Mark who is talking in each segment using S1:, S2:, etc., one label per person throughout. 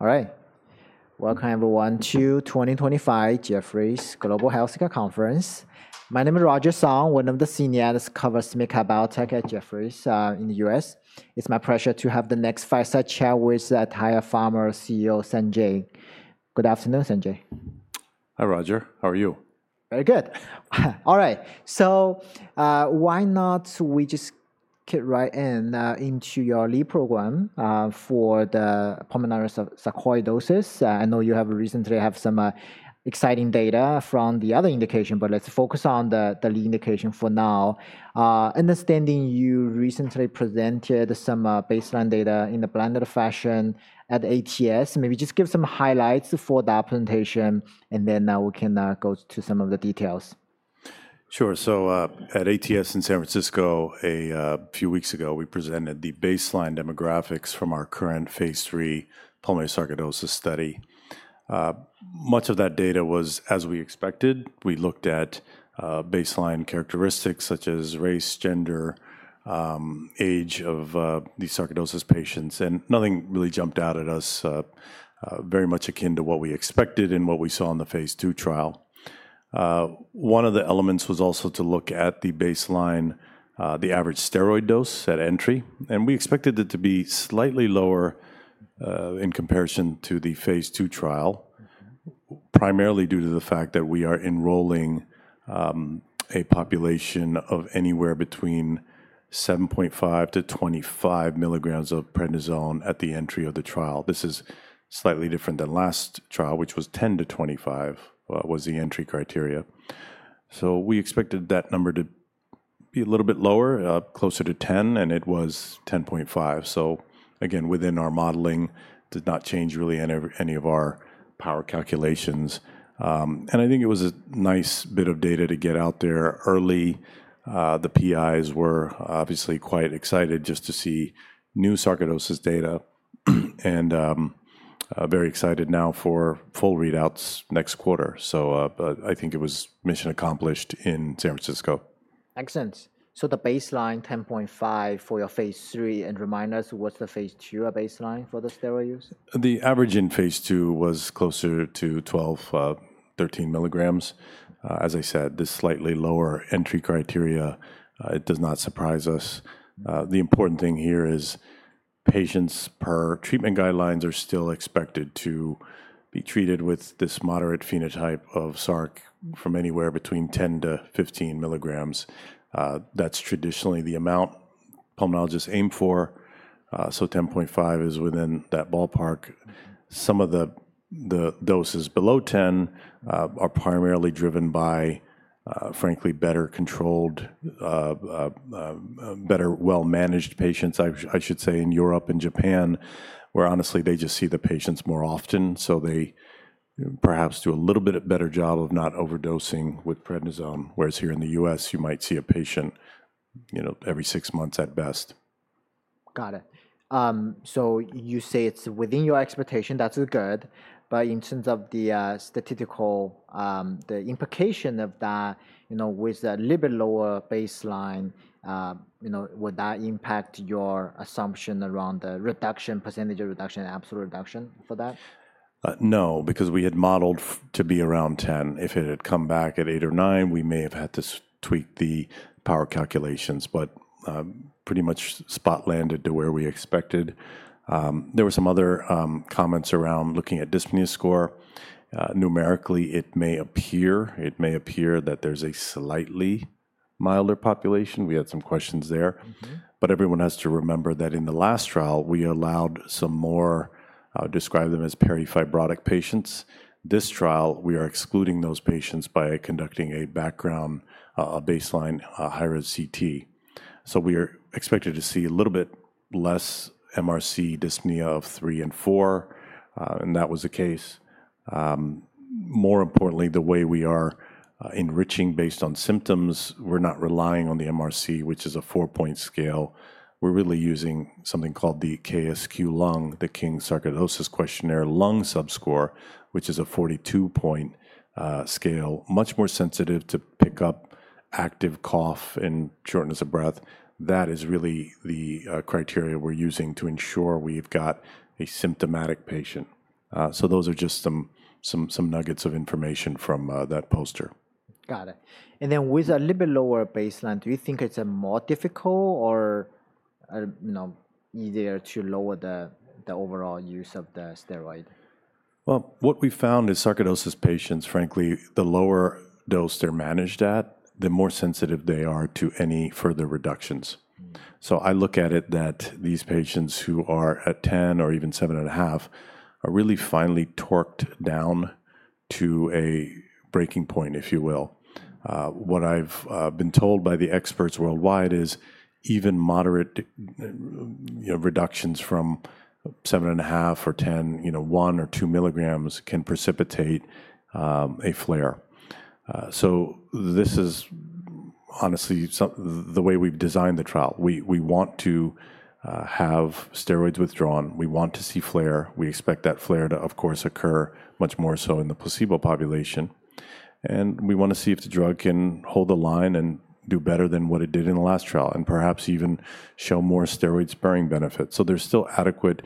S1: All right. Welcome, everyone, to 2025 Jefferies Global Healthcare Conference. My name is Roger Song, one of the senior analysts cover SMID-cap Biotech in the U.S. It's my pleasure to have the next fireside chat with aTyr Pharma's CEO, Sanjay. Good afternoon, Sanjay.
S2: Hi, Roger. How are you?
S1: Very good. All right. Why not we just get right into your lead program for the pulmonary sarcoidosis? I know you have recently had some exciting data from the other indication, but let's focus on the lead indication for now. Understanding you recently presented some baseline data in a blended fashion at ATS, maybe just give some highlights for that presentation, and then we can go to some of the details.
S2: Sure. At ATS in San Francisco, a few weeks ago, we presented the baseline demographics from our current phase III pulmonary sarcoidosis study. Much of that data was as we expected. We looked at baseline characteristics such as race, gender, age of the sarcoidosis patients, and nothing really jumped out at us, very much akin to what we expected and what we saw in the phase II trial. One of the elements was also to look at the baseline, the average steroid dose at entry, and we expected it to be slightly lower in comparison to the phase II trial, primarily due to the fact that we are enrolling a population of anywhere between 7.5-25 mg of prednisone at the entry of the trial. This is slightly different than last trial, which was 10-25 was the entry criteria. We expected that number to be a little bit lower, closer to 10, and it was 10.5. Again, within our modeling, did not change really any of our power calculations. I think it was a nice bit of data to get out there early. The PIs were obviously quite excited just to see new sarcoidosis data and very excited now for full readouts next quarter. I think it was mission accomplished in San Francisco.
S1: Excellent. The baseline 10.5 for your phase three, and remind us, what's the phase two baseline for the steroid use?
S2: The average in phase two was closer to 12, 13 mg. As I said, this slightly lower entry criteria, it does not surprise us. The important thing here is patients per treatment guidelines are still expected to be treated with this moderate phenotype of SARC from anywhere between 10-15 mg. That's traditionally the amount pulmonologists aim for. So 10.5 is within that ballpark. Some of the doses below 10 are primarily driven by, frankly, better controlled, better well-managed patients, I should say, in Europe and Japan, where honestly they just see the patients more often. They perhaps do a little bit better job of not overdosing with prednisone, whereas here in the U.S., you might see a patient every six months at best.
S1: Got it. You say it's within your expectation. That's good. In terms of the statistical implication of that, with a little bit lower baseline, would that impact your assumption around the percentage of reduction and absolute reduction for that?
S2: No, because we had modeled to be around 10. If it had come back at eight or nine, we may have had to tweak the power calculations, but pretty much spot landed to where we expected. There were some other comments around looking at dyspnea score. Numerically, it may appear, it may appear that there's a slightly milder population. We had some questions there. Everyone has to remember that in the last trial, we allowed some more, described them as perifibrotic patients. This trial, we are excluding those patients by conducting a background baseline high-risk CT. We are expected to see a little bit less MRC dyspnea of three and four, and that was the case. More importantly, the way we are enriching based on symptoms, we're not relying on the MRC, which is a four-point scale. We're really using something called the KSQ Lung, the King Sarcoidosis Questionnaire Lung Subscore, which is a 42-point scale, much more sensitive to pick up active cough and shortness of breath. That is really the criteria we're using to ensure we've got a symptomatic patient. Those are just some nuggets of information from that poster.
S1: Got it. With a little bit lower baseline, do you think it's more difficult or easier to lower the overall use of the steroid?
S2: What we found is sarcoidosis patients, frankly, the lower dose they're managed at, the more sensitive they are to any further reductions. I look at it that these patients who are at 10 or even 7.5 are really finely torqued down to a breaking point, if you will. What I've been told by the experts worldwide is even moderate reductions from 7.5 or 10, one or two milligrams can precipitate a flare. This is honestly the way we've designed the trial. We want to have steroids withdrawn. We want to see flare. We expect that flare to, of course, occur much more so in the placebo population. We want to see if the drug can hold the line and do better than what it did in the last trial and perhaps even show more steroid-sparing benefits. There's still adequate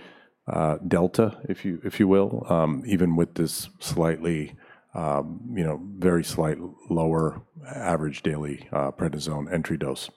S2: delta, if you will, even with this slightly, very slight lower average daily prednisone entry dose.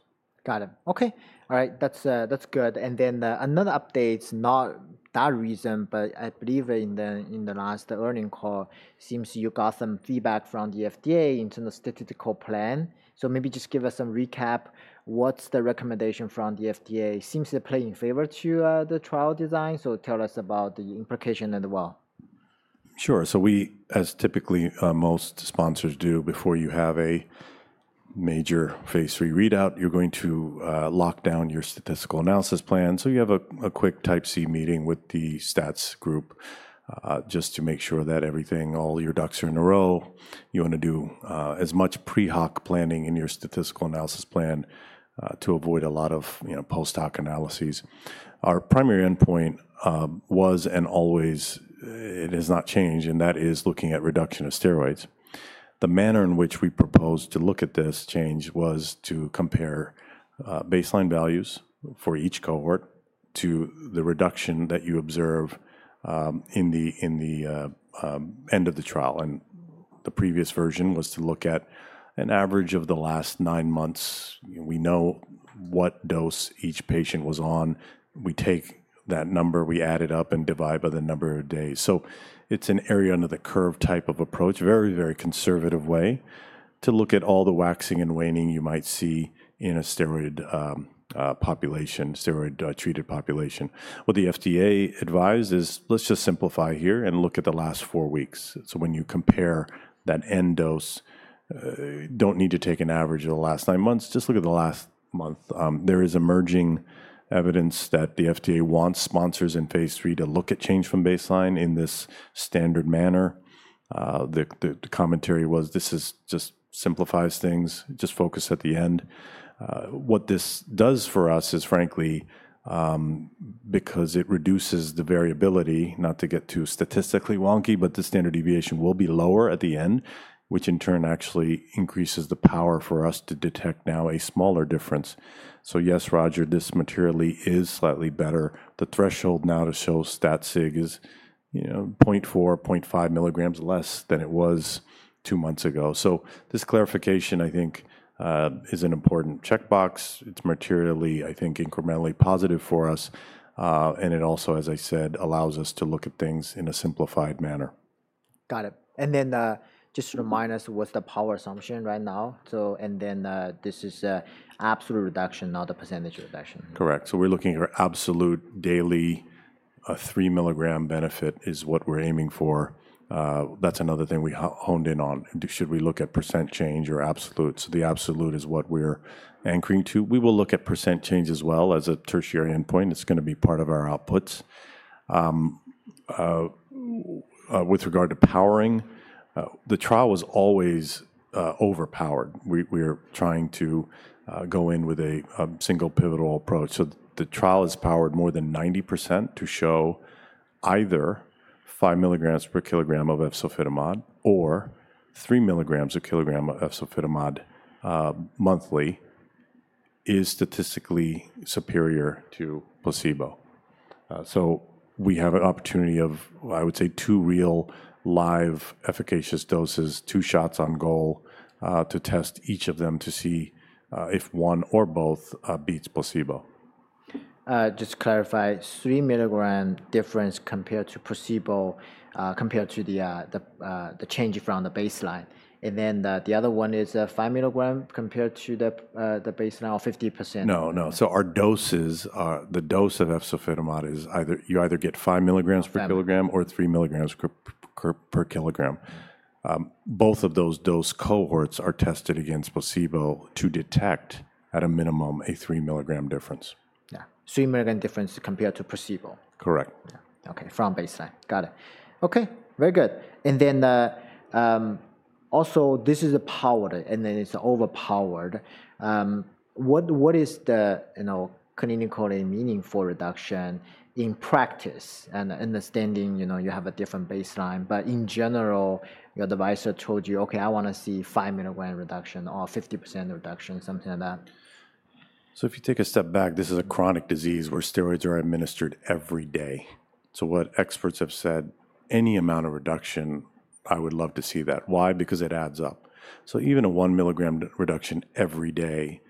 S1: Got it. Okay. All right. That's good. Another update, not that reason, but I believe in the last earnings call, it seems you got some feedback from the FDA in terms of statistical plan. Maybe just give us some recap. What's the recommendation from the FDA? Seems to play in favor to the trial design. Tell us about the implication as well.
S2: Sure. We, as typically most sponsors do, before you have a major phase three readout, you're going to lock down your statistical analysis plan. You have a quick type C meeting with the stats group just to make sure that everything, all your docs are in a row. You want to do as much pre-hoc planning in your statistical analysis plan to avoid a lot of post-hoc analyses. Our primary endpoint was and always it has not changed, and that is looking at reduction of steroids. The manner in which we proposed to look at this change was to compare baseline values for each cohort to the reduction that you observe in the end of the trial. The previous version was to look at an average of the last nine months. We know what dose each patient was on. We take that number, we add it up and divide by the number of days. It is an area under the curve type of approach, very, very conservative way to look at all the waxing and waning you might see in a steroid population, steroid-treated population. What the FDA advised is let's just simplify here and look at the last four weeks. When you compare that end dose, you do not need to take an average of the last nine months, just look at the last month. There is emerging evidence that the FDA wants sponsors in phase three to look at change from baseline in this standard manner. The commentary was this just simplifies things, just focus at the end. What this does for us is frankly, because it reduces the variability, not to get too statistically wonky, but the standard deviation will be lower at the end, which in turn actually increases the power for us to detect now a smaller difference. Yes, Roger, this materially is slightly better. The threshold now to show stat SIG is 0.4-0.5 mg less than it was two months ago. This clarification, I think, is an important checkbox. It is materially, I think, incrementally positive for us. It also, as I said, allows us to look at things in a simplified manner.
S1: Got it. Just remind us what's the power assumption right now. This is absolute reduction, not a percentage reduction.
S2: Correct. We are looking for absolute daily 3 mg benefit is what we are aiming for. That is another thing we honed in on. Should we look at percent change or absolute? The absolute is what we are anchoring to. We will look at percent change as well as a tertiary endpoint. It is going to be part of our outputs. With regard to powering, the trial was always overpowered. We are trying to go in with a single pivotal approach. The trial is powered more than 90% to show either 5 mg per kg of efzofitimod or 3 mg per kg of efzofitimod monthly is statistically superior to placebo. We have an opportunity of, I would say, two real live efficacious doses, two shots on goal to test each of them to see if one or both beats placebo.
S1: Just to clarify, 3 mg difference compared to placebo compared to the change from the baseline. And then the other one is 5 mg compared to the baseline or 50%.
S2: No, no. Our doses, the dose of efzofitimod is either you either get 5 mg per kg or 3 mg per kg. Both of those dose cohorts are tested against placebo to detect at a minimum a 3 mg difference.
S1: Yeah. 3 mg difference compared to placebo.
S2: Correct.
S1: Okay. From baseline. Got it. Okay. Very good. Also, this is a power and then it's overpowered. What is the clinical meaning for reduction in practice and understanding you have a different baseline, but in general, your advisor told you, okay, I want to see 5 mg reduction or 50% reduction, something like that.
S2: If you take a step back, this is a chronic disease where steroids are administered every day. What experts have said, any amount of reduction, I would love to see that. Why? Because it adds up. Even a 1 mg reduction every day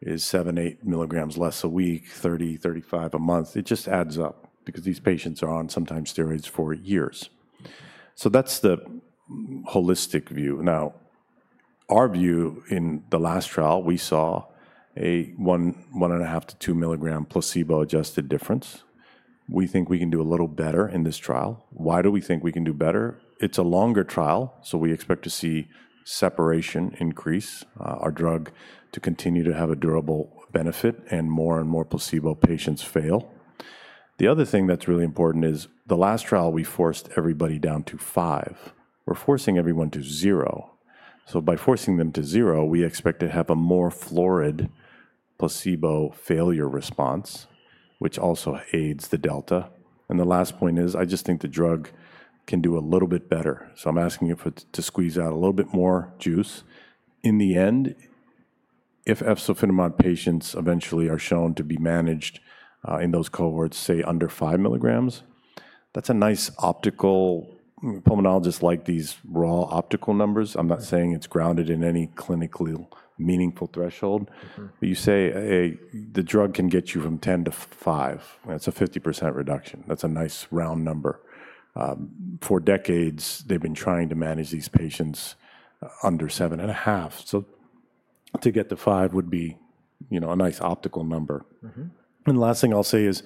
S2: is 7-8 mg less a week, 30-35 a month. It just adds up because these patients are on sometimes steroids for years. That's the holistic view. Now, our view in the last trial, we saw a 1, 1.5 to 2 mg placebo-adjusted difference. We think we can do a little better in this trial. Why do we think we can do better? It's a longer trial, so we expect to see separation increase, our drug to continue to have a durable benefit and more and more placebo patients fail. The other thing that's really important is the last trial we forced everybody down to five. We're forcing everyone to zero. By forcing them to zero, we expect to have a more florid placebo failure response, which also aids the delta. The last point is I just think the drug can do a little bit better. I'm asking you to squeeze out a little bit more juice. In the end, if efzofitimod patients eventually are shown to be managed in those cohorts, say under 5 mg, that's a nice optical. Pulmonologists like these raw optical numbers. I'm not saying it's grounded in any clinically meaningful threshold. You say the drug can get you from 10 to 5. That's a 50% reduction. That's a nice round number. For decades, they've been trying to manage these patients under 7.5. To get to five would be a nice optical number. The last thing I'll say is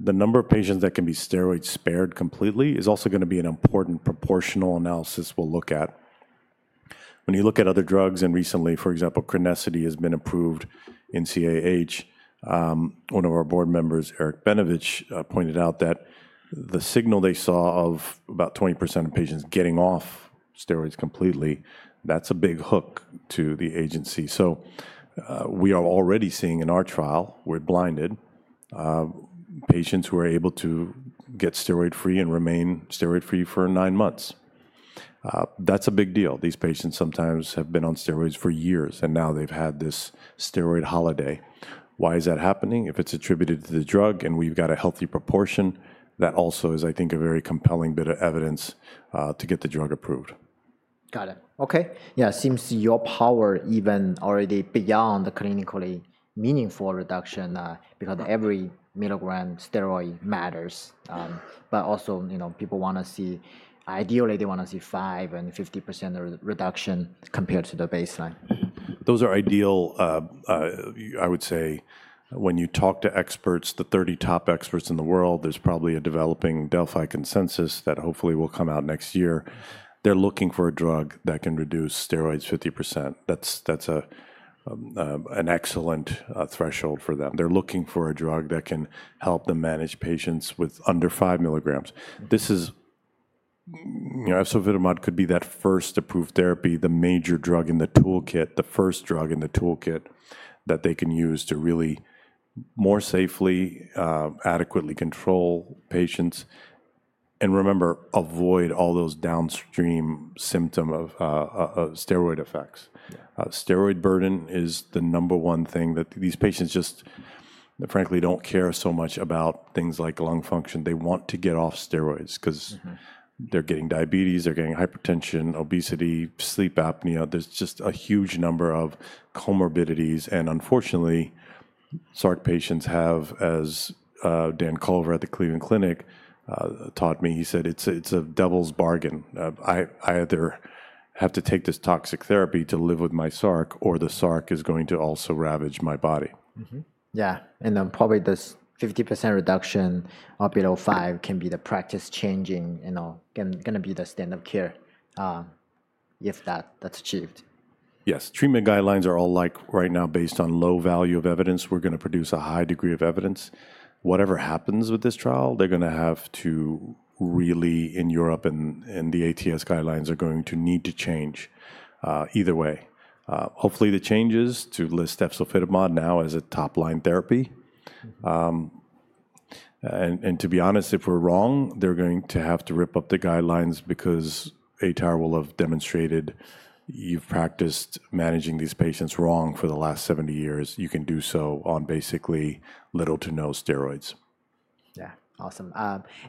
S2: the number of patients that can be steroid spared completely is also going to be an important proportional analysis we'll look at. When you look at other drugs and recently, for example, chronicity has been approved in CAH. One of our board members, Eric Benovich, pointed out that the signal they saw of about 20% of patients getting off steroids completely, that's a big hook to the agency. We are already seeing in our trial, we're blinded, patients who are able to get steroid-free and remain steroid-free for nine months. That's a big deal. These patients sometimes have been on steroids for years and now they've had this steroid holiday. Why is that happening? If it's attributed to the drug and we've got a healthy proportion, that also is, I think, a very compelling bit of evidence to get the drug approved.
S1: Got it. Okay. Yeah. Seems your power even already beyond the clinically meaningful reduction because every mg steroid matters. Also, people want to see, ideally, they want to see five and 50% reduction compared to the baseline.
S2: Those are ideal, I would say, when you talk to experts, the 30 top experts in the world, there's probably a developing Delphi consensus that hopefully will come out next year. They're looking for a drug that can reduce steroids 50%. That's an excellent threshold for them. They're looking for a drug that can help them manage patients with under 5 mg. This is efzofitimod could be that first approved therapy, the major drug in the toolkit, the first drug in the toolkit that they can use to really more safely, adequately control patients. Remember, avoid all those downstream symptoms of steroid effects. Steroid burden is the number one thing that these patients just, frankly, don't care so much about things like lung function. They want to get off steroids because they're getting diabetes, they're getting hypertension, obesity, sleep apnea. There's just a huge number of comorbidities. Unfortunately, SARC patients have, as Dan Culver at the Cleveland Clinic taught me, he said, it's a devil's bargain. I either have to take this toxic therapy to live with my SARC or the SARC is going to also ravage my body.
S1: Yeah. And then probably this 50% reduction up to five can be the practice changing, going to be the standard of care if that's achieved.
S2: Yes. Treatment guidelines are all like right now based on low value of evidence. We're going to produce a high degree of evidence. Whatever happens with this trial, they're going to have to really, in Europe and the ATS guidelines are going to need to change either way. Hopefully the changes to list efzofitimod now as a top-line therapy. And to be honest, if we're wrong, they're going to have to rip up the guidelines because aTyr will have demonstrated you've practiced managing these patients wrong for the last 70 years. You can do so on basically little to no steroids.
S1: Yeah. Awesome.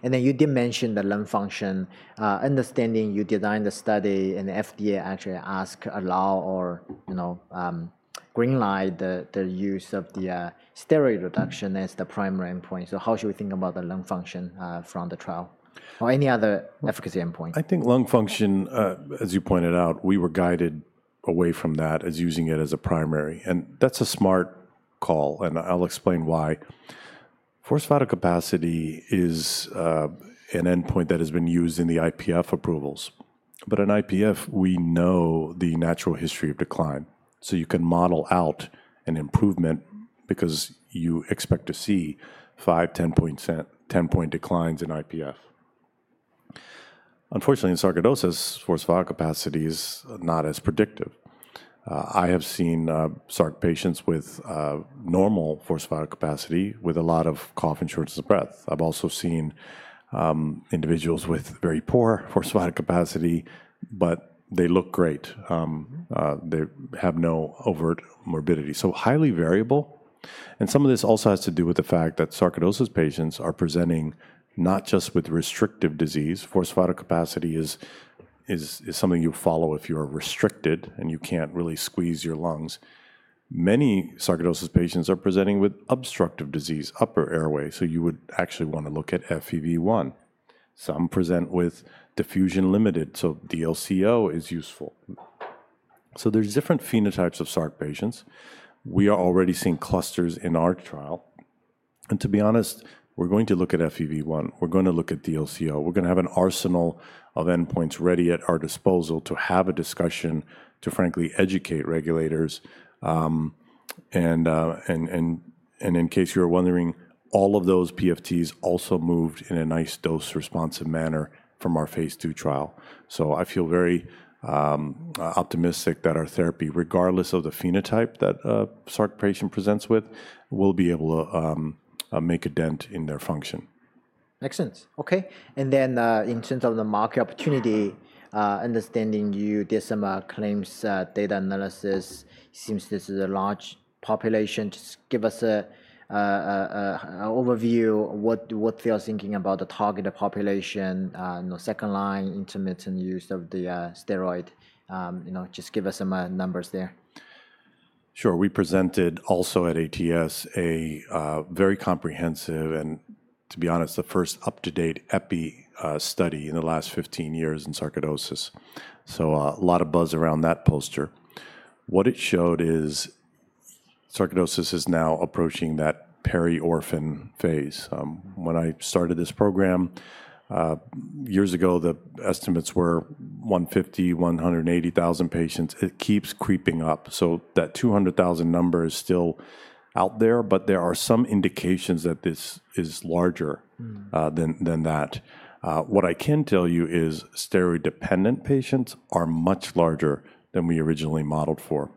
S1: You did mention the lung function. Understanding you designed the study and the FDA actually asked, allow or greenlight the use of the steroid reduction as the primary endpoint. How should we think about the lung function from the trial or any other efficacy endpoint?
S2: I think lung function, as you pointed out, we were guided away from that as using it as a primary. That is a smart call. I will explain why. Forced vital capacity is an endpoint that has been used in the IPF approvals. In IPF, we know the natural history of decline, so you can model out an improvement because you expect to see 5-10 point declines in IPF. Unfortunately, in sarcoidosis adults, forced vital capacity is not as predictive. I have seen sarcoidosis patients with normal forced vital capacity with a lot of cough and shortness of breath. I have also seen individuals with very poor forced vital capacity, but they look great. They have no overt morbidity. It is highly variable. Some of this also has to do with the fact that sarcoidosis adult patients are presenting not just with restrictive disease. Forced vital capacity is something you follow if you are restricted and you can't really squeeze your lungs. Many SARC adult patients are presenting with obstructive disease, upper airway. You would actually want to look at FEV1. Some present with diffusion limited. DLCO is useful. There are different phenotypes of SARC patients. We are already seeing clusters in our trial. To be honest, we're going to look at FEV1. We're going to look at DLCO. We're going to have an arsenal of endpoints ready at our disposal to have a discussion to frankly educate regulators. In case you're wondering, all of those PFTs also moved in a nice dose-responsive manner from our phase II trial. I feel very optimistic that our therapy, regardless of the phenotype that SARC patient presents with, will be able to make a dent in their function.
S1: Excellent. Okay. In terms of the market opportunity, understanding you did some claims data analysis, seems this is a large population. Just give us an overview of what they're thinking about the targeted population, second line, intermittent use of the steroid. Just give us some numbers there.
S2: Sure. We presented also at ATS a very comprehensive and, to be honest, the first up-to-date EPI study in the last 15 years in SARC adults. A lot of buzz around that poster. What it showed is SARC adults is now approaching that periorphan phase. When I started this program years ago, the estimates were 150,000, 180,000 patients. It keeps creeping up. That 200,000 number is still out there, but there are some indications that this is larger than that. What I can tell you is steroid-dependent patients are much larger than we originally modeled for.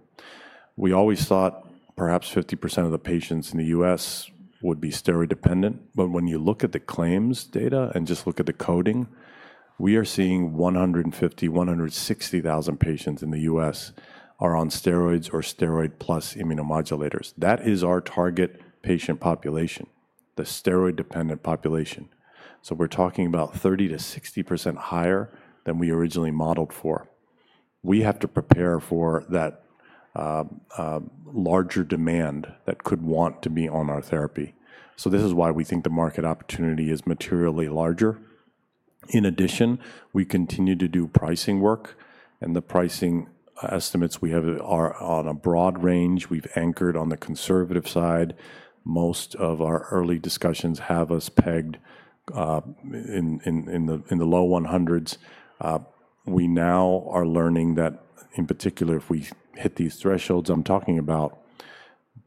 S2: We always thought perhaps 50% of the patients in the US would be steroid-dependent. When you look at the claims data and just look at the coding, we are seeing 150,000, 160,000 patients in the US are on steroids or steroid plus immunomodulators. That is our target patient population, the steroid-dependent population. We are talking about 30%-60% higher than we originally modeled for. We have to prepare for that larger demand that could want to be on our therapy. This is why we think the market opportunity is materially larger. In addition, we continue to do pricing work. The pricing estimates we have are on a broad range. We have anchored on the conservative side. Most of our early discussions have us pegged in the low $100s. We now are learning that in particular, if we hit these thresholds I am talking about,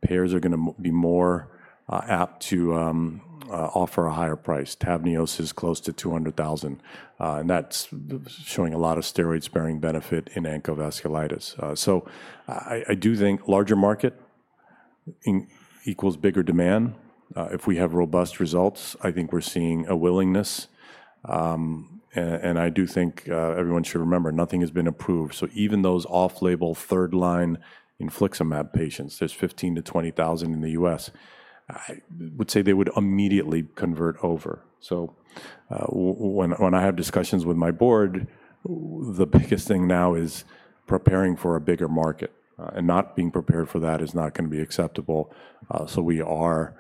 S2: payers are going to be more apt to offer a higher price. Tabnios is close to $200,000. That is showing a lot of steroid-sparing benefit in ankylosing spondylitis. I do think larger market equals bigger demand. If we have robust results, I think we are seeing a willingness. I do think everyone should remember nothing has been approved. Even those off-label third-line infliximab patients, there are 15,000-20,000 in the US. I would say they would immediately convert over. When I have discussions with my board, the biggest thing now is preparing for a bigger market. Not being prepared for that is not going to be acceptable. We are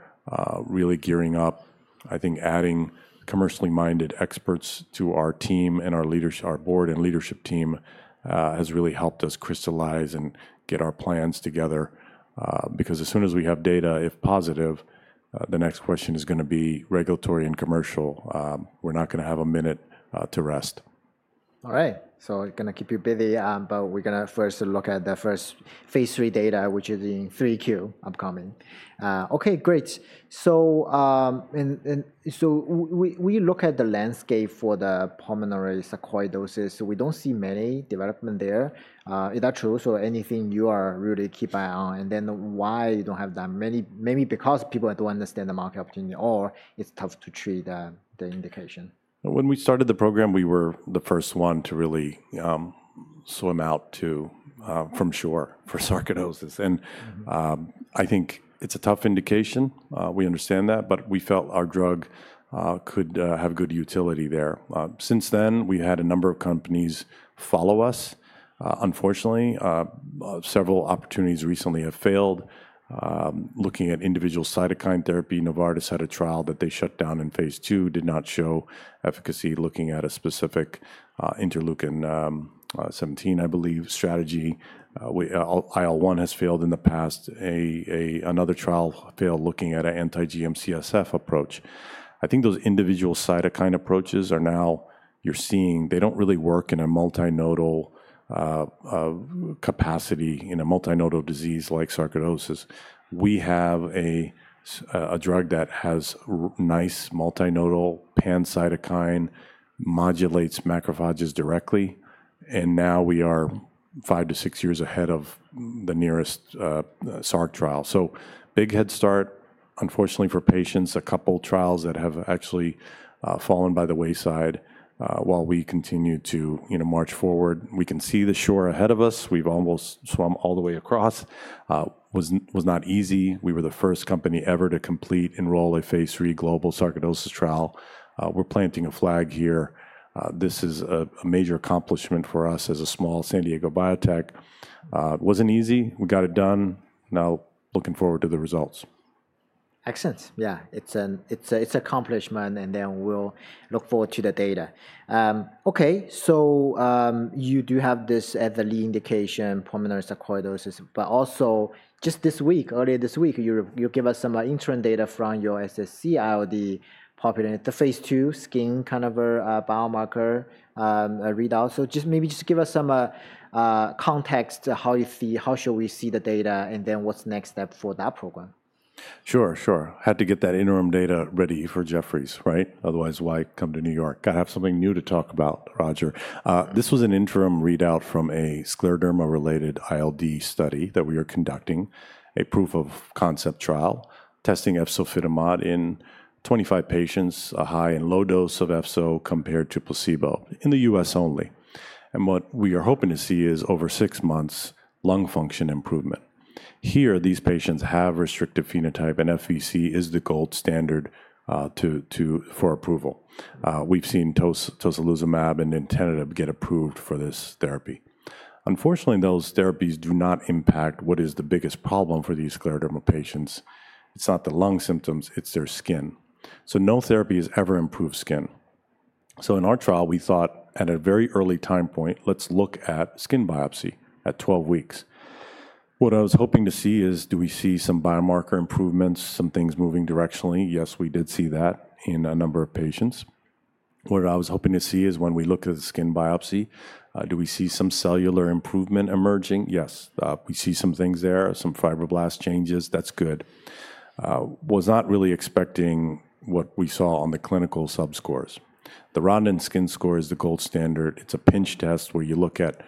S2: really gearing up. I think adding commercially minded experts to our team and our board and leadership team has really helped us crystallize and get our plans together. As soon as we have data, if positive, the next question is going to be regulatory and commercial. We're not going to have a minute to rest.
S1: All right. So we're going to keep you busy, but we're going to first look at the first phase III data, which is in 3Q upcoming. Okay, great. So we look at the landscape for the pulmonary sarcoidosis. We don't see many development there. Is that true? So anything you are really keeping on and then why you don't have that? Maybe because people don't understand the market opportunity or it's tough to treat the indication.
S2: When we started the program, we were the first one to really swim out from shore for SARC adults. I think it's a tough indication. We understand that, but we felt our drug could have good utility there. Since then, we had a number of companies follow us. Unfortunately, several opportunities recently have failed. Looking at individual cytokine therapy, Novartis had a trial that they shut down in phase, did not show efficacy looking at a specific interleukin 17, I believe, strategy. IL-1 has failed in the past. Another trial failed looking at an anti-GMCSF approach. I think those individual cytokine approaches are now, you're seeing, they don't really work in a multimodal capacity in a multimodal disease like SARC adults. We have a drug that has nice multimodal pan cytokine, modulates macrophages directly. Now we are five to six years ahead of the nearest SARC trial. Big head start, unfortunately for patients, a couple of trials that have actually fallen by the wayside while we continue to march forward. We can see the shore ahead of us. We've almost swum all the way across. Was not easy. We were the first company ever to complete and enroll a phase III global SARC adults trial. We're planting a flag here. This is a major accomplishment for us as a small San Diego biotech. Wasn't easy. We got it done. Now looking forward to the results.
S1: Excellent. Yeah. It's an accomplishment. We'll look forward to the data. Okay. You do have this as the lead indication, pulmonary sarcoidosis, but also just this week, earlier this week, you gave us some interim data from your SSc-ILD populating the phase two skin kind of a biomarker readout. Maybe just give us some context how you see, how should we see the data, and then what's the next step for that program?
S2: Sure, sure. Had to get that interim data ready for Jefferies, right? Otherwise, why come to New York? I have something new to talk about, Roger. This was an interim readout from a scleroderma-related ILD study that we are conducting, a proof of concept trial, testing efzofitimod in 25 patients, a high and low dose of efzofitimod compared to placebo in the U.S. only. What we are hoping to see is over six months lung function improvement. Here, these patients have restrictive phenotype and FVC is the gold standard for approval. We've seen tocilizumab and intended to get approved for this therapy. Unfortunately, those therapies do not impact what is the biggest problem for these scleroderma patients. It's not the lung symptoms, it's their skin. No therapy has ever improved skin. In our trial, we thought at a very early time point, let's look at skin biopsy at 12 weeks. What I was hoping to see is, do we see some biomarker improvements, some things moving directionally? Yes, we did see that in a number of patients. What I was hoping to see is when we look at the skin biopsy, do we see some cellular improvement emerging? Yes. We see some things there, some fibroblast changes. That's good. Was not really expecting what we saw on the clinical subscores. The Rodnan skin score is the gold standard. It's a pinch test where you look at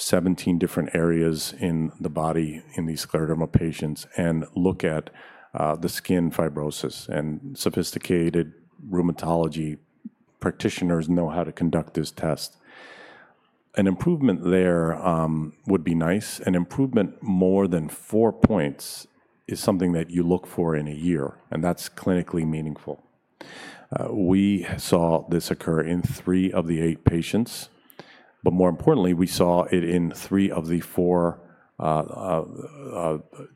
S2: 17 different areas in the body in these scleroderma patients and look at the skin fibrosis. Sophisticated rheumatology practitioners know how to conduct this test. An improvement there would be nice. An improvement more than four points is something that you look for in a year. That's clinically meaningful. We saw this occur in three of the eight patients. More importantly, we saw it in three of the four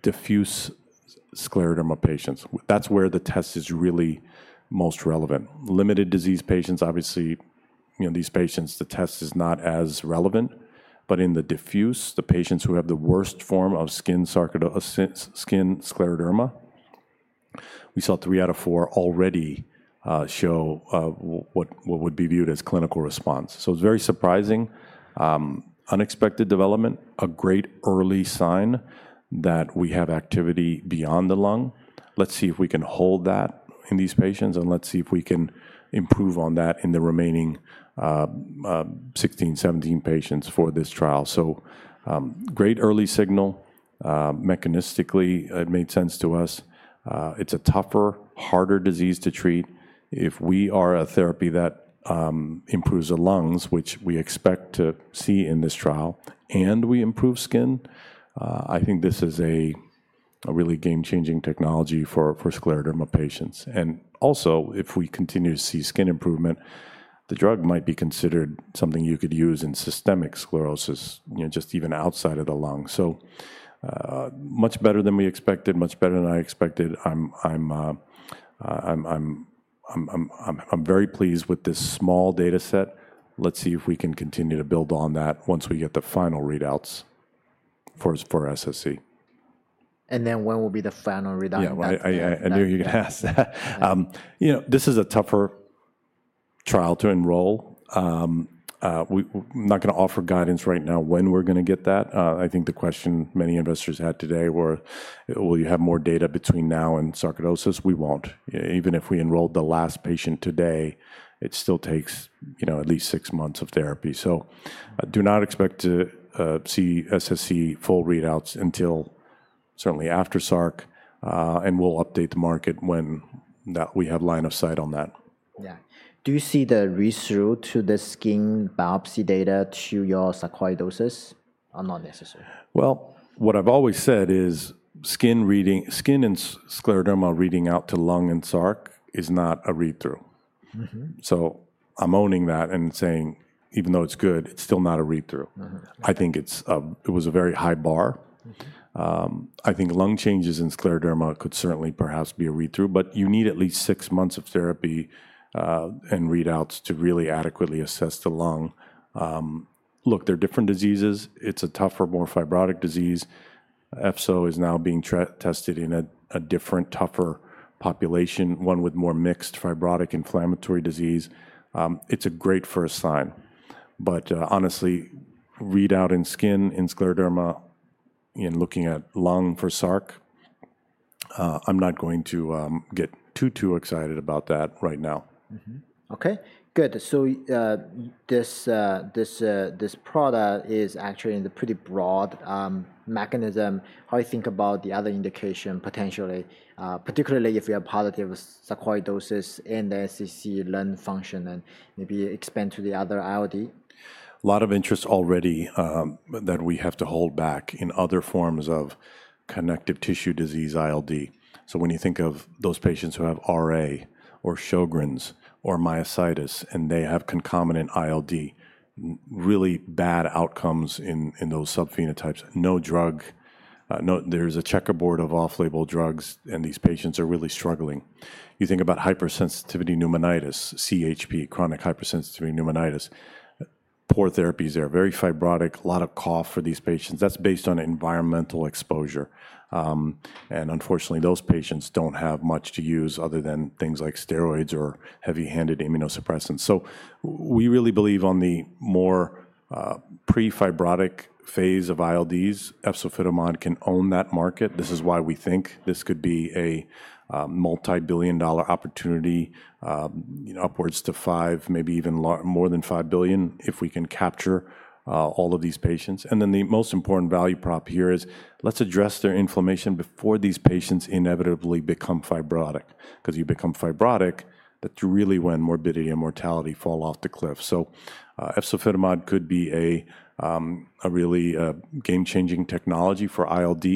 S2: diffuse scleroderma patients. That's where the test is really most relevant. Limited disease patients, obviously, these patients, the test is not as relevant. In the diffuse, the patients who have the worst form of skin scleroderma, we saw three out of four already show what would be viewed as clinical response. It's very surprising. Unexpected development, a great early sign that we have activity beyond the lung. Let's see if we can hold that in these patients and let's see if we can improve on that in the remaining 16-17 patients for this trial. Great early signal. Mechanistically, it made sense to us. It's a tougher, harder disease to treat. If we are a therapy that improves the lungs, which we expect to see in this trial, and we improve skin, I think this is a really game-changing technology for scleroderma patients. Also, if we continue to see skin improvement, the drug might be considered something you could use in systemic sclerosis, just even outside of the lung. So much better than we expected, much better than I expected. I'm very pleased with this small data set. Let's see if we can continue to build on that once we get the final readouts for SSc.
S1: When will be the final readout?
S2: Yeah, I knew you were going to ask that. This is a tougher trial to enroll. I'm not going to offer guidance right now when we're going to get that. I think the question many investors had today were, will you have more data between now and SARC adults? We won't. Even if we enrolled the last patient today, it still takes at least six months of therapy. Do not expect to see SSc full readouts until certainly after SARC. We'll update the market when we have line of sight on that.
S1: Yeah. Do you see the read-through to the skin biopsy data to your sarcoidosis? Not necessary.
S2: What I've always said is skin and scleroderma reading out to lung and SARC is not a read-through. I'm owning that and saying, even though it's good, it's still not a read-through. I think it was a very high bar. I think lung changes in scleroderma could certainly perhaps be a read-through, but you need at least six months of therapy and readouts to really adequately assess the lung. Look, they're different diseases. It's a tougher, more fibrotic disease. Efzofitimod is now being tested in a different, tougher population, one with more mixed fibrotic inflammatory disease. It's a great first sign. Honestly, readout in skin, in scleroderma, in looking at lung for SARC, I'm not going to get too, too excited about that right now.
S1: Okay. Good. So this product is actually in the pretty broad mechanism. How do you think about the other indication potentially, particularly if you have positive sarcoidosis and the SSc lung function and maybe expand to the other ILD?
S2: A lot of interest already that we have to hold back in other forms of connective tissue disease ILD. When you think of those patients who have RA or Sjogren's or myositis and they have concomitant ILD, really bad outcomes in those subphenotypes. No drug, there's a checkerboard of off-label drugs and these patients are really struggling. You think about hypersensitivity pneumonitis, cHP, chronic hypersensitivity pneumonitis, poor therapies there, very fibrotic, a lot of cough for these patients. That is based on environmental exposure. Unfortunately, those patients do not have much to use other than things like steroids or heavy-handed immunosuppressants. We really believe on the more pre-fibrotic phase of ILDs, efzofitimod can own that market. This is why we think this could be a multi-billion dollar opportunity upwards to $5 billion, maybe even more than $5 billion if we can capture all of these patients. The most important value prop here is let's address their inflammation before these patients inevitably become fibrotic. Because you become fibrotic, that's really when morbidity and mortality fall off the cliff. So efzofitimod could be a really game-changing technology for ILD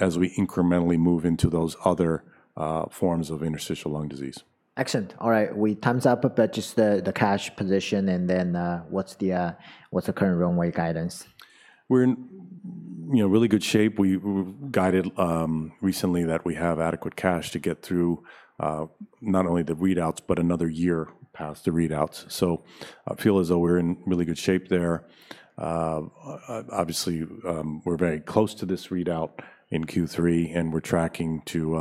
S2: as we incrementally move into those other forms of interstitial lung disease.
S1: Excellent. All right. We timed up, but just the cash position and then what's the current runway guidance?
S2: We're in really good shape. We were guided recently that we have adequate cash to get through not only the readouts, but another year past the readouts. I feel as though we're in really good shape there. Obviously, we're very close to this readout in Q3 and we're tracking to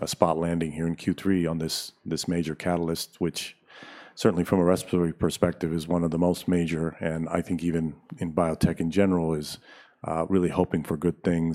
S2: a spot landing here in Q3 on this major catalyst, which certainly from a respiratory perspective is one of the most major. I think even in biotech in general is really hoping for good things.